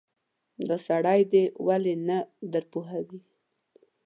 دا سړی دې ولې نه درپوهوې.